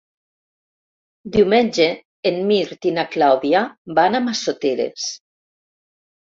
Diumenge en Mirt i na Clàudia van a Massoteres.